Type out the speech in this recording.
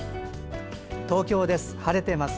東京です。